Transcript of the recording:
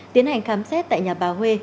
tiến hành khám xét tại nhà bà huê